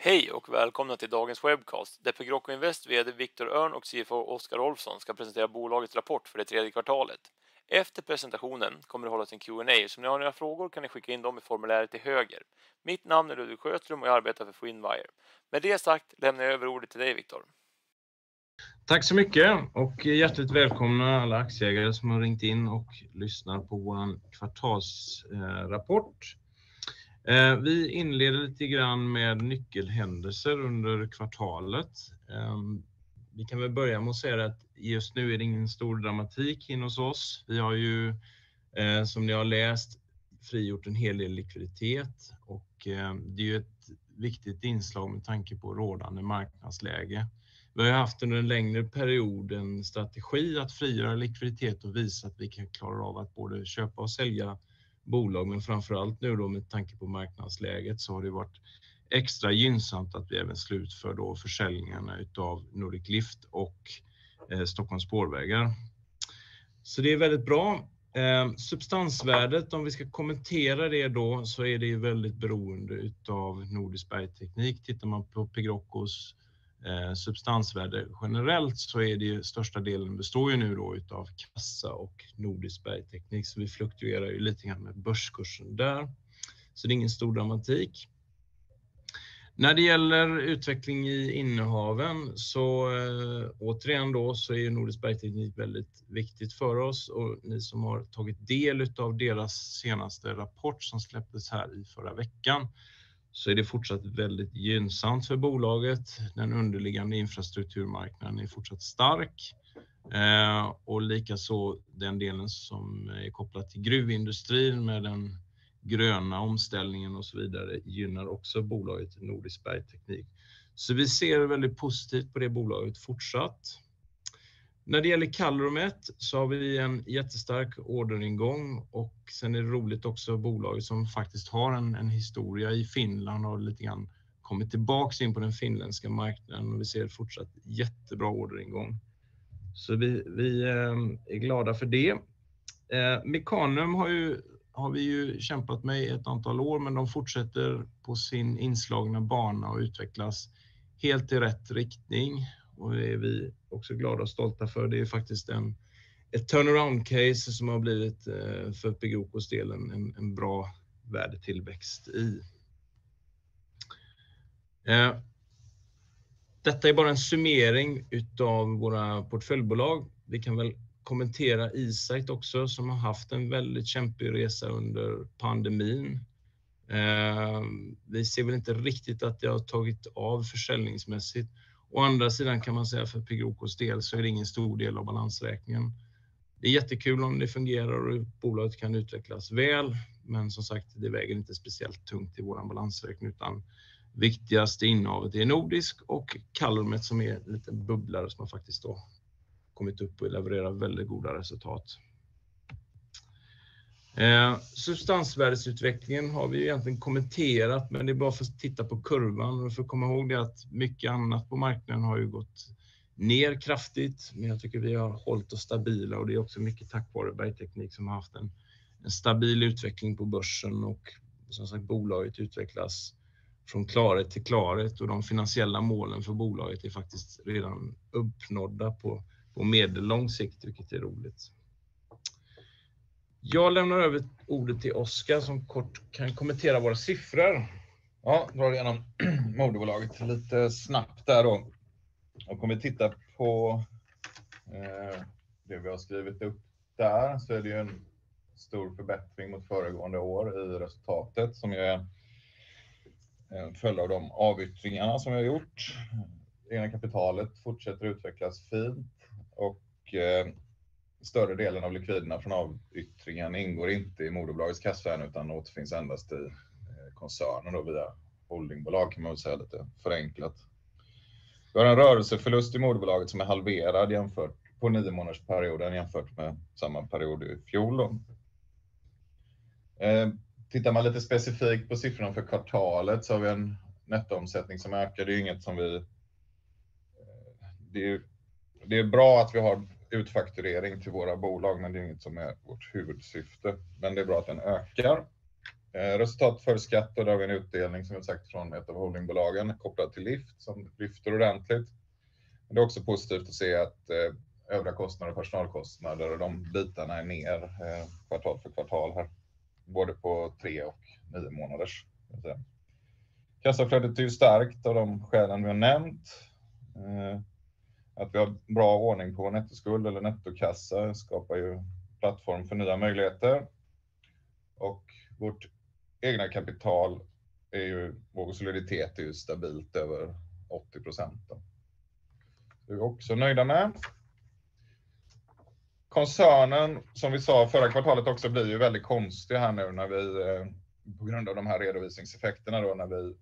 Hej och välkomna till dagens webcast, där Pegroco Invest VD Victor Örn och CFO Oscar Olsson ska presentera bolagets rapport för det tredje kvartalet. Efter presentationen kommer det hållas en Q&A. Om ni har några frågor kan ni skicka in dem i formuläret till höger. Mitt namn är Ludwig Sjöström och jag arbetar för Finwire. Med det sagt lämnar jag över ordet till dig Victor. Tack så mycket och hjärtligt välkomna alla aktieägare som har ringt in och lyssnar på vår kvartals rapport. Vi inleder lite grann med nyckelhändelser under kvartalet. Vi kan väl börja med att säga att just nu är det ingen stor dramatik inne hos oss. Vi har ju, som ni har läst, frigjort en hel del likviditet och det är ju ett viktigt inslag med tanke på rådande marknadsläge. Vi har haft under en längre period en strategi att frigöra likviditet och visa att vi kan klara av att både köpa och sälja bolag. Framför allt nu då med tanke på marknadsläget så har det varit extra gynnsamt att vi även slutför då försäljningarna utav Nordic Lift och Stockholms Spårvägar. Det är väldigt bra. Substansvärdet, om vi ska kommentera det då, så är det ju väldigt beroende utav Nordisk Bergteknik. Tittar man på Pegroco's substansvärde generellt så är det ju största delen består ju nu då utav kassa och Nordisk Bergteknik. Vi fluktuerar ju lite grann med börskursen där. Det är ingen stor dramatik. När det gäller utveckling i innehaven återigen då är Nordisk Bergteknik väldigt viktigt för oss. Ni som har tagit del utav deras senaste rapport som släpptes här i förra veckan, är det fortsatt väldigt gynnsamt för bolaget. Den underliggande infrastrukturmarknaden är fortsatt stark. Likaså den delen som är kopplat till gruvindustrin med den gröna omställningen och så vidare gynnar också bolaget Nordisk Bergteknik. Vi ser väldigt positivt på det bolaget fortsatt. När det gäller CalorMet så har vi en jättestark orderingång och sen är det roligt också bolag som faktiskt har en historia i Finland och lite grann kommit tillbaks in på den finländska marknaden. Vi ser fortsatt jättebra orderingång. Vi är glada för det. Mecanum har vi ju kämpat med i ett antal år, men de fortsätter på sin inslagna bana och utvecklas helt i rätt riktning. Det är vi också glada och stolta för. Det är faktiskt ett turnaround case som har blivit för Pegrocos del en bra värdetillväxt i. Detta är bara en summering utav våra portföljbolag. Vi kan väl kommentera Easycom också, som har haft en väldigt kämpig resa under pandemin. Vi ser väl inte riktigt att det har tagit av försäljningsmässigt. Å andra sidan kan man säga för Pegrocos del så är det ingen stor del av balansräkningen. Det är jättekul om det fungerar och bolaget kan utvecklas väl, men som sagt, det väger inte speciellt tungt i vår balansräkning, utan viktigaste innehavet är Nordisk och CalorMet som är en liten bubblare som har faktiskt då kommit upp och levererar väldigt goda resultat. Substansvärdesutvecklingen har vi egentligen kommenterat, men det är bara för att titta på kurvan. Man får komma ihåg det att mycket annat på marknaden har ju gått ner kraftigt, men jag tycker vi har hållit oss stabila och det är också mycket tack vare Bergteknik som har haft en stabil utveckling på börsen och som sagt, bolaget utvecklas från klarhet till klarhet och de finansiella målen för bolaget är faktiskt redan uppnådda på medellång sikt, vilket är roligt. Jag lämnar över ordet till Oscar som kort kan kommentera våra siffror. Ja, drar igenom moderbolaget lite snabbt där då. Om vi tittar på det vi har skrivit upp där så är det ju en stor förbättring mot föregående år i resultatet som är en följd av de avyttringarna som vi har gjort. Egna kapitalet fortsätter utvecklas fint och större delen av likviderna från avyttringen ingår inte i moderbolagets kassavärde utan återfinns endast i koncernen då via holdingbolag kan man väl säga lite förenklat. Vi har en rörelseförlust i moderbolaget som är halverad jämfört på 9-månadersperioden jämfört med samma period i fjol då. Tittar man lite specifikt på siffrorna för kvartalet så har vi en nettoomsättning som ökar. Det är bra att vi har utfakturering till våra bolag, men det är inget som är vårt huvudsyfte. Det är bra att den ökar. Resultat före skatt, och där har vi en utdelning som vi har sagt från ett av holdingbolagen kopplat till Lift som lyfter ordentligt. Det är också positivt att se att övriga kostnader, personalkostnader och de bitarna är mer kvartal för kvartal här, både på 3 och 9 månaders skulle jag säga. Kassaflödet är ju starkt av de skälen vi har nämnt. Att vi har bra ordning på nettoskuld eller nettokassa skapar ju plattform för nya möjligheter. Vårt egna kapital är ju, vår soliditet är ju stabilt över 80% då. Det är vi också nöjda med. Koncernen, som vi sa förra kvartalet också, blir ju väldigt konstig här nu när vi, på grund av de här redovisningseffekterna då när vi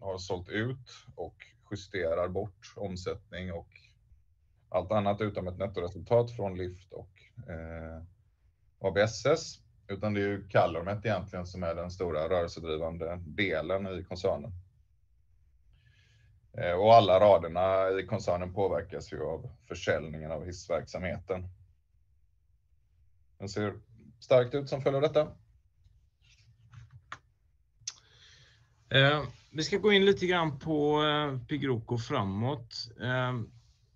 har sålt ut och justerar bort omsättning och allt annat utom ett nettoresultat från Lift och ABSS. Det är ju CalorMet egentligen som är den stora rörelsedrivande delen i koncernen. Alla raderna i koncernen påverkas ju av försäljningen av hissverksamheten. Den ser starkt ut som följer detta. Vi ska gå in lite grann på Pegroco framåt.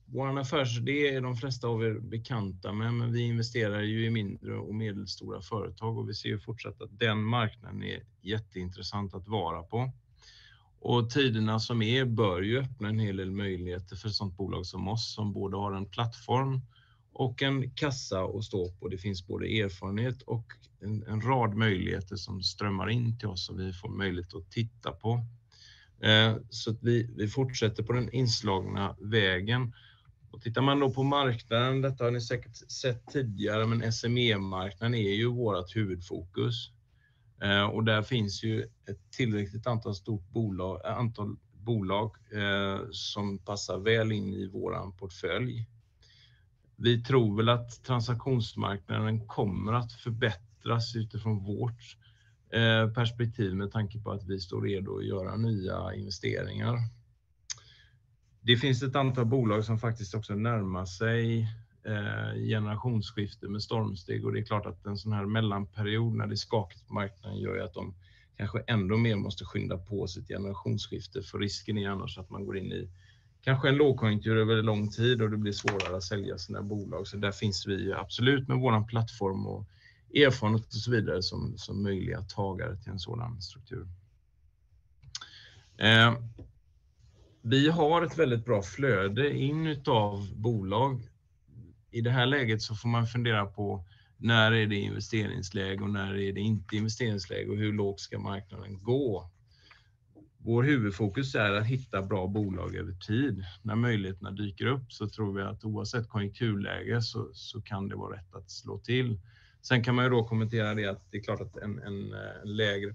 Våran affärsidé är de flesta av er bekanta med, men vi investerar ju i mindre och medelstora företag och vi ser ju fortsatt att den marknaden är jätteintressant att vara på. Tiderna som är bör ju öppna en hel del möjligheter för ett sådant bolag som oss som både har en plattform och en kassa att stå på. Det finns både erfarenhet och en rad möjligheter som strömmar in till oss och vi får möjligt att titta på. Vi fortsätter på den inslagna vägen. Tittar man då på marknaden, detta har ni säkert sett tidigare, men SME-marknaden är ju vårt huvudfokus. Där finns ju ett tillräckligt antal stort bolag, antal bolag som passar väl in i våran portfölj. Vi tror väl att transaktionsmarknaden kommer att förbättras utifrån vårt perspektiv med tanke på att vi står redo att göra nya investeringar. Det finns ett antal bolag som faktiskt också närmar sig generationsskifte med stormsteg. Det är klart att en sådan här mellanperiod när det är skakigt på marknaden gör ju att de kanske ändå mer måste skynda på sitt generationsskifte. Risken är annars att man går in i kanske en lågkonjunktur över lång tid och det blir svårare att sälja sådana här bolag. Där finns vi absolut med vår plattform och erfarenhet och så vidare som möjliga tagare till en sådan struktur. Vi har ett väldigt bra flöde in utav bolag. I det här läget så får man fundera på när är det investeringsläge och när är det inte investeringsläge och hur lågt ska marknaden gå? Vår huvudfokus är att hitta bra bolag över tid. När möjligheterna dyker upp så tror vi att oavsett konjunkturläge så kan det vara rätt att slå till. Sen kan man ju då kommentera det att det är klart att en lägre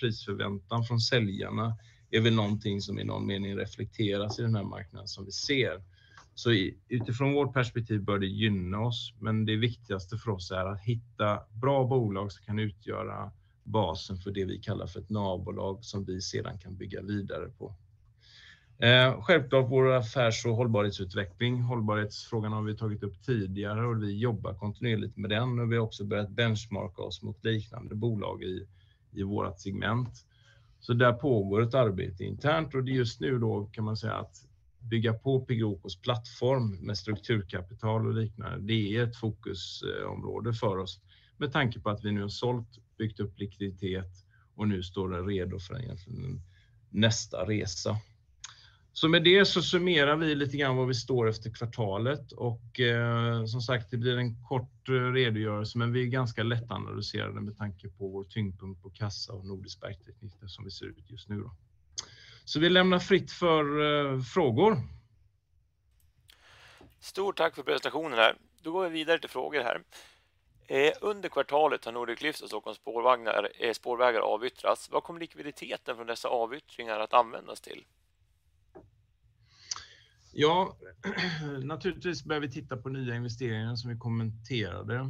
prisförväntan från säljarna är väl någonting som i någon mening reflekteras i den här marknaden som vi ser. Utifrån vårt perspektiv bör det gynna oss, men det viktigaste för oss är att hitta bra bolag som kan utgöra basen för det vi kallar för ett navbolag som vi sedan kan bygga vidare på. Självklart vår affärs- och hållbarhetsutveckling. Hållbarhetsfrågan har vi tagit upp tidigare och vi jobbar kontinuerligt med den. Vi har också börjat benchmarka oss mot liknande bolag i vårt segment. Där pågår ett arbete internt och det är just nu då kan man säga att bygga på Pegrocos plattform med strukturkapital och liknande, det är ett fokusområde för oss. Med tanke på att vi nu har sålt, byggt upp likviditet och nu står det redo för egentligen nästa resa. Med det så summerar vi lite grann var vi står efter kvartalet och som sagt, det blir en kort redogörelse, men vi är ganska lättanalyserade med tanke på vår tyngdpunkt på kassa och Nordisk Bergteknik eftersom vi ser ut just nu då. Vi lämnar fritt för frågor. Stort tack för presentationen här. Då går vi vidare till frågor här. Under kvartalet har Nordic Lift och Stockholms Spårvägar avyttrats. Vad kommer likviditeten från dessa avyttringar att användas till? Naturligtvis behöver vi titta på nya investeringar som vi kommenterade.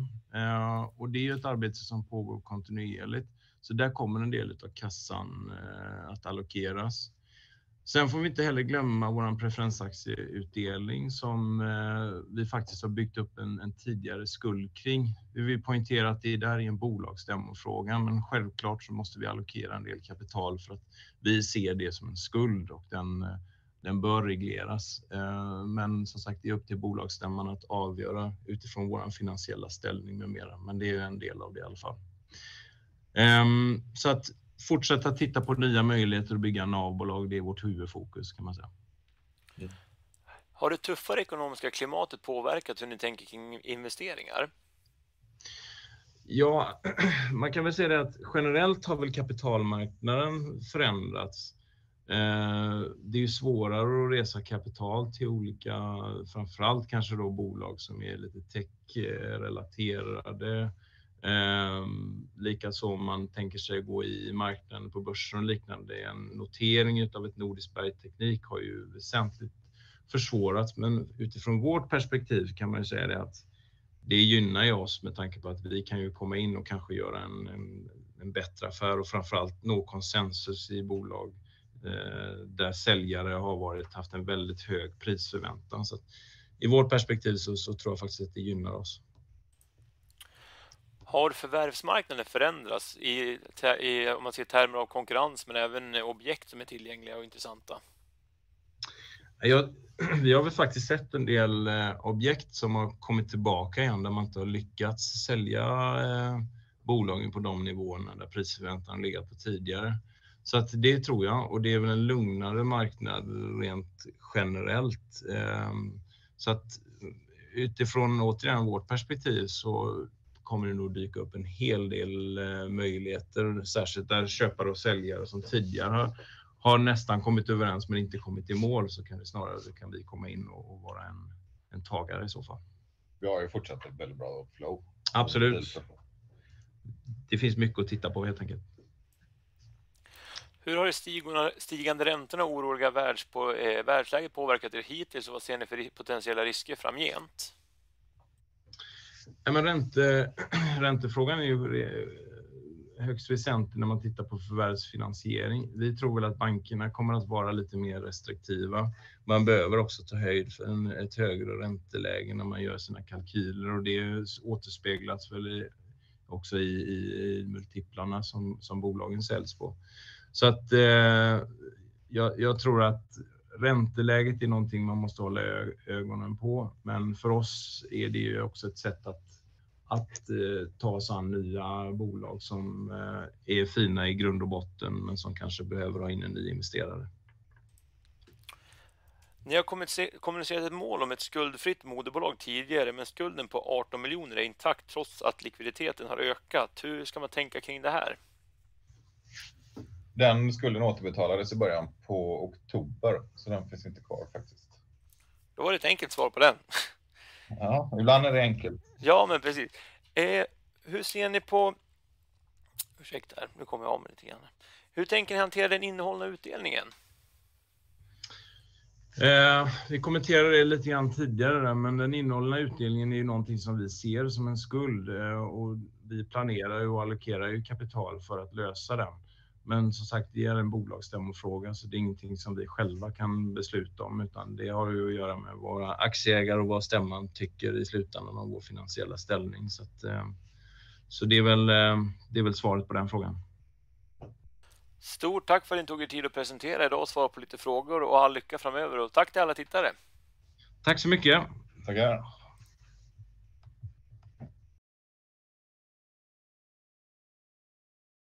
Det är ett arbete som pågår kontinuerligt. Där kommer en del utav kassan att allokeras. Får vi inte heller glömma vår preferensaktieutdelning som vi faktiskt har byggt upp en tidigare skuld kring. Vi vill poängtera att det där är en bolagsstämmofråga, självklart måste vi allokera en del kapital för att vi ser det som en skuld och den bör regleras. Som sagt, det är upp till bolagsstämman att avgöra utifrån vår finansiella ställning med mera. Det är en del av det i alla fall. Fortsätta titta på nya möjligheter att bygga navbolag, det är vårt huvudfokus kan man säga. Har det tuffare ekonomiska klimatet påverkat hur ni tänker kring investeringar? Man kan väl säga det att generellt har väl kapitalmarknaden förändrats. Det är ju svårare att resa kapital till olika, framför allt kanske då bolag som är lite techrelaterade. Likaså om man tänker sig gå i marknaden på börsen och liknande. En notering utav ett Nordisk Bergteknik har ju väsentligt försvårat. Utifrån vårt perspektiv kan man ju säga det att det gynnar ju oss med tanke på att vi kan ju komma in och kanske göra en bättre affär och framför allt nå konsensus i bolag, där säljare har varit, haft en väldigt hög prisförväntan. I vårt perspektiv så tror jag faktiskt att det gynnar oss. Har förvärvsmarknaden förändrats i om man ser termer av konkurrens, men även objekt som är tillgängliga och intressanta? Vi har väl faktiskt sett en del objekt som har kommit tillbaka igen, där man inte har lyckats sälja bolagen på de nivåerna där prisförväntan legat på tidigare. Det tror jag och det är väl en lugnare marknad rent generellt. Utifrån återigen vårt perspektiv så kommer det nog dyka upp en hel del möjligheter, särskilt där köpare och säljare som tidigare har nästan kommit överens men inte kommit i mål. Kan vi snarare, kan vi komma in och vara en tagare i så fall. Vi har ju fortsatt ett väldigt bra flow. Absolut. Det finns mycket att titta på helt enkelt. Hur har de stigande räntorna och oroliga världsläget påverkat er hittills och vad ser ni för potentiella risker framgent? Räntefrågan är ju högst väsentlig när man tittar på förvärvsfinansiering. Vi tror väl att bankerna kommer att vara lite mer restriktiva. Man behöver också ta höjd för ett högre ränteläge när man gör sina kalkyler och det återspeglas väl i, också i multiplarna som bolagen säljs på. Jag tror att ränteläget är någonting man måste hålla ögonen på. För oss är det ju också ett sätt att ta oss an nya bolag som är fina i grund och botten, men som kanske behöver ha in en ny investerare. Ni har kommunicerat ett mål om ett skuldfritt moderbolag tidigare, men skulden på 18 million är intakt trots att likviditeten har ökat. Hur ska man tänka kring det här? Den skulden återbetalades i början på October, så den finns inte kvar faktiskt. Det var ett enkelt svar på den. Ibland är det enkelt. Ja, men precis. Ursäkta, nu kom jag av mig lite grann. Hur tänker ni hantera den innehållna utdelningen? Vi kommenterade det lite grann tidigare, men den innehållna utdelningen är ju någonting som vi ser som en skuld. Vi planerar ju och allokerar ju kapital för att lösa den. Som sagt, det är en bolagsstämmofråga, så det är ingenting som vi själva kan besluta om, utan det har att göra med våra aktieägare och vad stämman tycker i slutändan om vår finansiella ställning. Så det är väl svaret på den frågan. Stort tack för att ni tog er tid att presentera i dag och svara på lite frågor och all lycka framöver. Tack till alla tittare. Tack så mycket. Tackar.